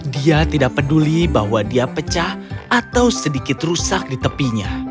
dia tidak peduli bahwa dia pecah atau sedikit rusak di tepinya